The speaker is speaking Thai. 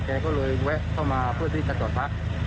แกก็เลยแวะเข้ามาเพื่อที่จะจอดพัก